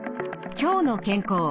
「きょうの健康」